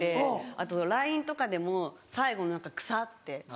あとＬＩＮＥとかでも最後何か「草」って。